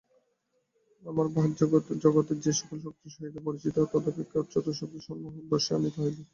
আমরা বাহ্যজগতে যে-সকল শক্তির সহিত পরিচিত, তদপেক্ষা উচ্চতর শক্তিসমূহকে বশে আনিতে হইবে।